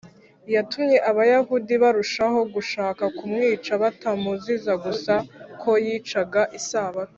Yatumye abayahudi barushaho gushaka kumwica batamuziza gusa ko yicaga isabato